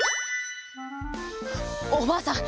おばあさん